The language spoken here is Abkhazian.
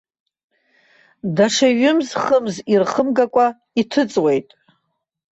Даҽа ҩымз-хымз ирхымгакәа иҭыҵуеит.